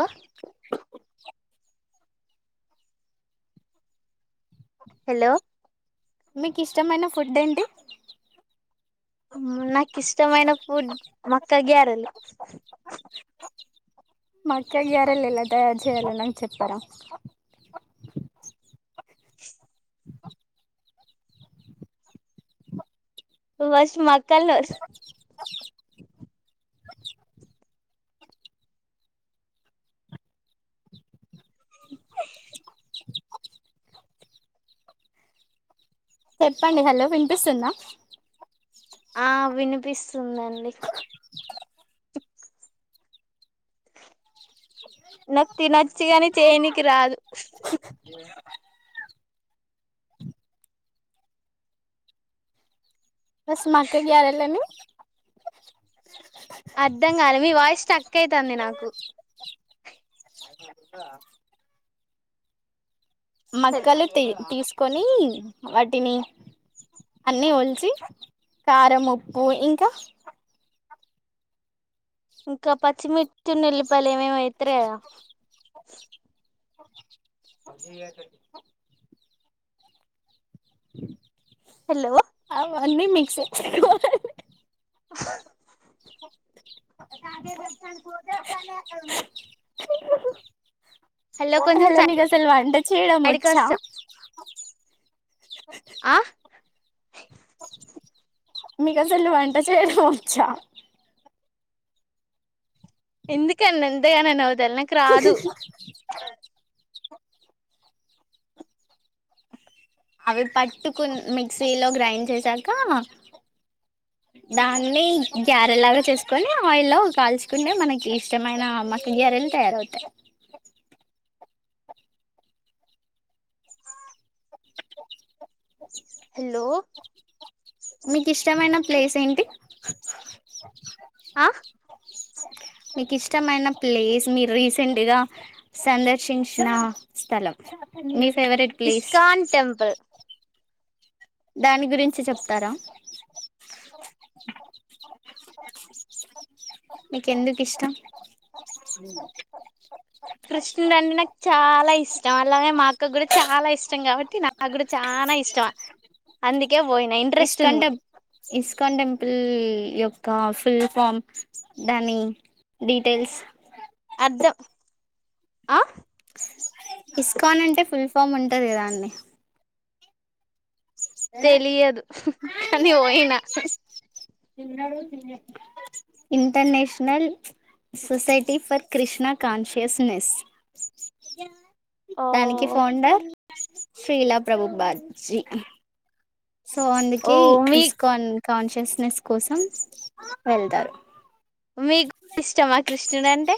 ఆ హలో మీకు ఇష్టమైన ఫుడ్ ఏంటి నాకు ఇష్టమైనప్పుుడ్ మక్క గ్యారలి మాక్క గారలు ఎలా తయారు చేయాలన్నాకు చెప్పారా [inaudible] బస్ మాక్కలు చెప్పండి హలో వినిపిస్తుంద ఆ వినిపిస్తుందండి నాకు తినొచ్చగాని చేయనికి రాదు బస్ మాక్కకియారాలని అర్ధం కాల మీ వాయిస్ టక్ అయితుంది నాకు మక్కలు తీసు కొని వాటిని అన్నీ ఒలిచి కారం ఉప్పు ఇంకా ఇంకా పచ్చిమిర్చన ఉల్లిపాయలి ఏమేమి ఎత్తరు కదా అంచి అ హలో ఆన్నీ మిక్స బ ంటి దర్శన్ కో హలో కొంచెం అలా మీకు అసలు వంట చేయడం సైడ్కి వచ్చా వస్తా ఆ మీకు అసల్లు వంట చేయడం వచ్చా ఎందుక అన్న ఎంతగానా నాకు రాదు అవి పట్టుకుని మిక్సీలో గ్రైండ్ చేసాక దాన్ని గ్యారెలాగా చేసుకొని ఆయిల్లో కాల్చుకుంటే మనకి ఇష్టమైన మక్క గ్యారెలు తయారవుతాయి హలో మీ తష్టా మైననా ప్లేస్ ఏంటి ఆ మీకు ఇష్టమైన ప్లేస్ మీరు రీసెంట్గా సందర్శించిన స్థలం మీరు ఇస్కన్ టెంపుల్ దాని గురించి చెప్తారా మీక ఎందుకు ఇష్టం కృష్ణు రంే నాకు చాలా ఇష్టం అలాగే మా అక్క కూడా చాలా ఇష్టం కాబట్టి నా చాలా ఇష్టం అందుకే పోయినా ఇంట్రెస్ట్ ఉంది స్కాన్ టెంపుల్ యొక్క ఫుల్ ఫామ్ దాని డీటెయిల్స్ వద్ద్ద ఇస్కాన్ అంటే ఫుల్ ఫమ్ ఉంటుంది కదా అన్ని తెలియదు కానీ పోయినా international society for Krishna consciousness ఓ దానికి ఫోన్డార్ శీలా ప్రభు బాజీ సో ఓ అందుకే మీ ఇస్ కాన్ కాన్షియస్ బిజనెస్ కోసం వెళ్తారు మీకు ఇష్టమా కృష్ణుడు అంటే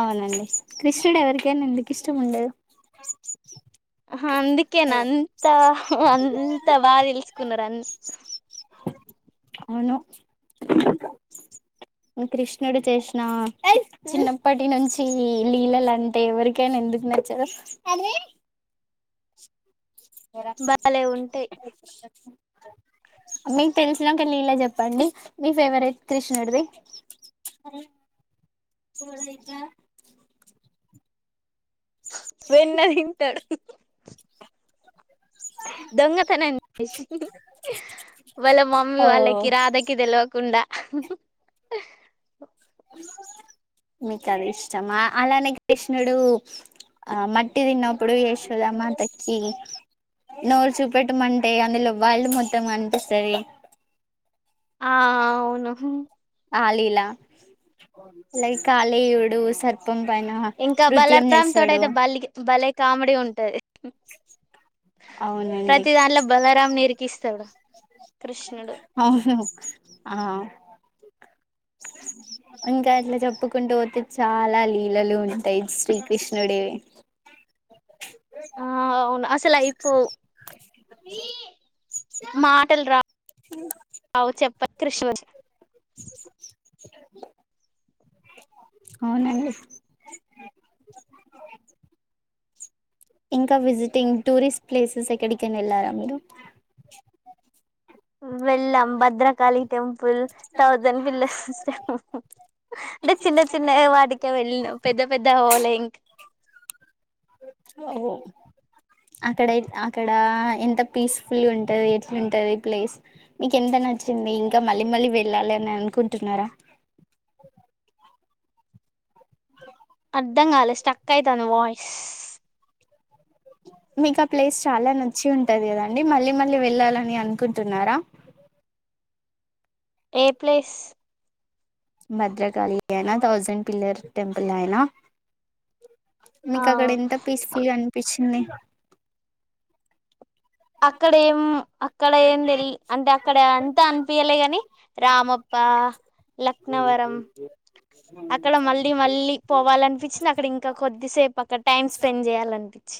అవునండి కృష్ణుడు ఎవరికైనా ఎందుకు ఇష్టం ఉండదు ఆ అందుకే నాంతా అంతా బాగా తెలుసుకున్నారు అంత అవును కృష్ణుడు చేసిన చిన్నప్పటి నుంచి లీలలు అంటే ఎవరికైనా ఎందుకు నచ్చదు బాాల ఉంటాయి మీకు తెలిసినాకళీ ఇలా చెప్పండి మీ ఫేవరెట్ కృష్ణుడిది వెన్న విింటాడు దొంగతనం [unintelligible] వాళ్ళ మమ్మీ ఓ వాళ్ళకి రాధకి తెలివకుండా [inaudible] మీకు అది ఇష్టమా అలానే కృష్ణుడు ఆ మ పట్టి తిన్నప్పుడు వేసుూదామ్మా అంత నోరు చూపెట్ట అంటే అందులో వాళ్ళు మొత్తం కనిపిస్తుంది ఆ అవును ఆలీలా ైక్ ఆాలయుడు సర్ప ఇంకా బల రామ్ తోట ఇతే బల్ బల కామెడీ ఉంటుది అవునండి ప్రతి దాంట్లో బలరాం ఇరికిస్తాడు అవును ఆ ఇంకా అట్లా చెప్పుకుంటూ పోతే చాలా లీలలు ఉంటాయి శ్రీకృష్ణుడు వి ఆ అవును అసలు అయిపోవు మాటలు రా అ చెప్ప కృష అవునండి ఇంకా విజిటింగ్ టూరిస్ట్ ప్లేసెస్ ఎక్కడికనా వెళ్ళారా మీరు వెళ్ళాం భద్రకాళి టెంపుల్, థౌసండ్ పిల్లర్స్ల్ అంటే చిన్న చిన్న వాటికే వెళ్ళిన పెద్ద పెద్ద హవాల ఇంకా అక్కడ అక్కడ ఎంత పీస్ఫుల్ ఉంటది, ఎట్లాంటది ప్లేస్ మీకు ఎంత నచ్చింది, ఇంకా మళ్ళీ మళ్ళీ వెళ్ళాలి అని అనుకుంటున్నారా. అద్దం కాలే స్టక్ అయితాంది వాయిస్ మీకు ఆ ప్లేస్ చాలా నచ్చి ఉంటుంది కదండి, మళ్ళీ మళ్ళీ వెళ్ళాలని అనుకుంటున్నారా ఏ ప్లేస్ భద్రకళి అయినా థౌజండ్ పిల్లర్ టెంపుల్ అయినా ఆ మీకు అక్కడ ఎంత పీస్ ఫుల్ గా అనిపించింది అక్కడ ఏం అక్కడ ఏం తెలి అంటే అక్కడ అంతా అనిపియలే గాని, రామప్ప, లక్నవరం, అక్కడ మళ్ళీ మళ్ళీ పోవాలనిపించింది, అక్కడ ఇంకా కొద్దిసేపు అక్కడ టైమ్ స్పెండ్ చేయాలనిపించి.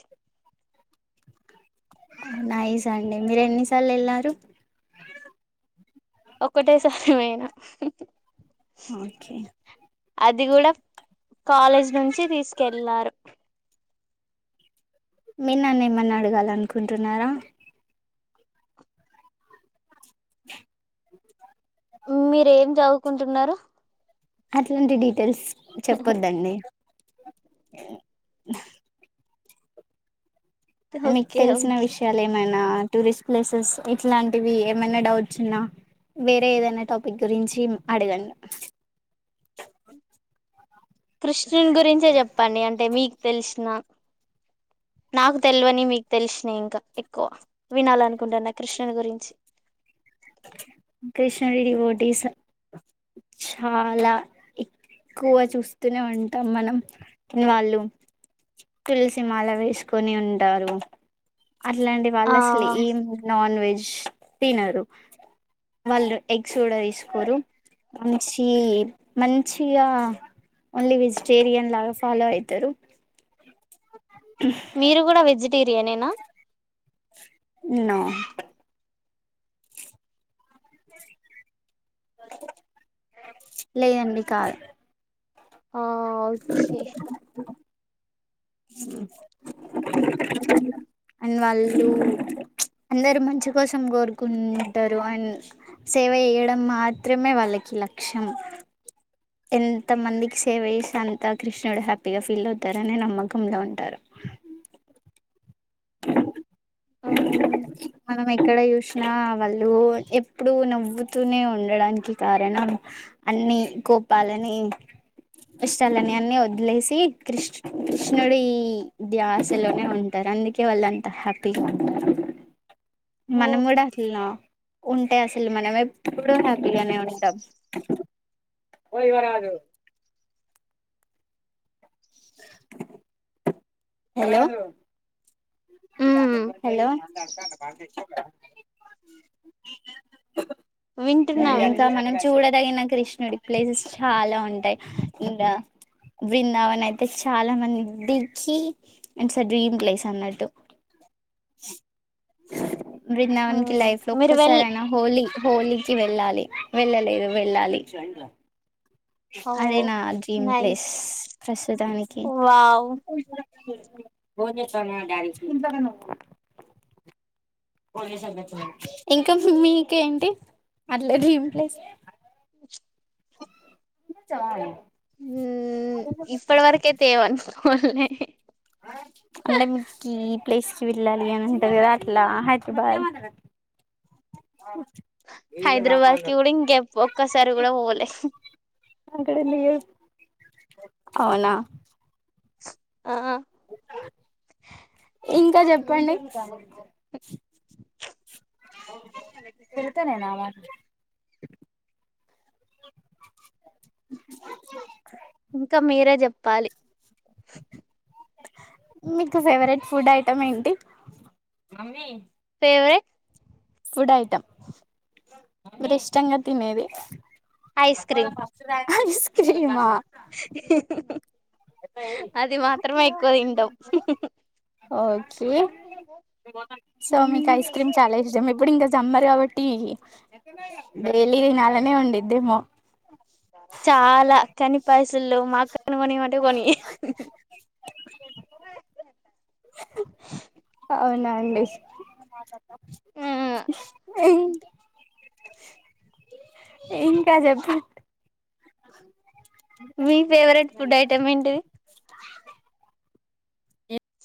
నైస్ అండి మీరు ఎన్నిసార్లు వెళ్ళరూ ఒక్కటే సారి పోయిన ఓకే అది కూడా కాలేజ్ నుంచి తీసుకెళ్లారు మీ నన్న ఏమన్నా అడగాల అనుకుంటున్నారా మ్ మీర్ ఏం చదువుకుంటున్నారు అట్లాంటి డీటెయిల్స్ చెప్పొద్దండి అ మీకు ఓకే తెలిసిన ఓకే విషయాలు ఏమైనా టూరిస్ట్ ప్లేసెస్ ఇట్లాంటివి ఏమైనా డౌట్స్ ఉన్నా వేరే ఏదైనా టాపిక్ గురించి అడగండి కృష్ణుని గురించే చెప్పండి అంటే మీకు తెలిసిన నాకు తెలివని మీకు తెలిసినాయి ఇంకా ఎక్కువ వినాలనుకు కుడాన్న కృష్ణను గురించి కృష్ణరెడ్డి బోటీస్ చాలా ఎక్కువగా చూస్తూనే ఉంటాం మనం వాళ్ళు తులసిమాల వేసుకొని ఉంటారు అట్లాండి ఆ వాళ్ళు అసలు ఈం నాన్ వెజ్ తినరు వాళ్ళు ఎగ్స్ కూడా తీసుకోరు మంచి మంచిగా ఓన్లీ వెజిటేరియన్ లాగా ఫాలో అవుతారు మీరు కూడా వెజిట దరి నేనా న లేదండి కాదు ఆ ఓకే ఉ అండ్ వాళ్ళు అందరుూ మంచి కోసం కోరుకుంటారు అండ్ సేవ చేయడం మాత్రమే వాళ్ళకి లక్ష్యం ఎంత మందికి సేవ చేసి అంతా కృష్ణుడు హ్యాపీగా ఫీల్ అవుతారుని నమ్మకం ముక్కంలో ఉంటారు మ్మ్ మనం ఎక్కడ చూసినా వాళ్ళు ఎప్పుడుూ నవ్వుతూనే ఉండడానికి కారణం అన్ని కోపాలని కష్టాలని అన్ని వదిలేసి కృష్ కృష్ణుడు ఈ ధ్యాసలోనే ఉంటారు అందుకే వాళ్ళు అంత హ్యాపీ [inaudible] ఓ మనం కూడా అసలున్నా ఉంటాయి అసలు మన మ ఇప్పుడు బిర్యానే ఉంటంటాం పోయి వరాదు హలో మ్మ్ హలో ఇంకా వింటున్నానండి మనం చూడ ఎగనా కృష్ణుడి ప్లేసెస్ చాలా ఉంటాయి ఇంకా బృందావన అయితే చాలా మంది దిగి ఇట్స్ ఆ డ్రీమ్ ప్లేస్ అన్నట్టు న్నవనికి మ్మ్ లైఫ్ లో మీరు ఒక్కసార వెల్ అనా హోలీ హోలీ వెళ్ళాలి వెళ్ళలేదు వెళ్ళాలి ఓ అదే నా డ్రీమ్ ప్లేస్ నైస్ ప్రస్తుతానికి వావ్ [unintelligible] ఇంకా మీక ఏంటి అట్లే డ్రీమ్ ప్లేస్ [unintelligible] ఉ ఇప్పటి వరకైతేవనుకోలని అంటే మీకు ఈ ప్లేస్కిి వెళ్ళాలి అని అంటారు కదా అట్లా హైదరాబాద్ హైదరాబాద్కి కూడ ఇంక ఒక్కసారి కూడా పోలే అక్కడ లేదు అవునా ఆ ఇంకా చెప్ ప్పండి ఫతనేనా అమా ఇంకా మీరే చెప్పాలి మీకు ఫేవరెట్ ఫుడ్ ఐటం ఏంటి? ఫేవరెట్ ఫుడ్ ఐటం మిరు ఇష్టంగ తినేది ఐస్ క్రీమ్ ఐస్ క్రీమా [unintelligible] అది మాత్రమే ఎక్కువ తింటాం ఓకే సో మీకు ఐస్ క్రీమ్ చాలా ఇష్టం ఇప్పుడు ఇంకా సమ్మర్ కాబట్టి డైలీ దీ నాలనే ఉండిద్దేమో చాలా కనిపాయసులు మాకు నువు నేను అటుకుని అవునాండి ఇంకా చెప్ప వి ఫేవరెట్ ఫుడ్ ఐటమ్ ఏంటిది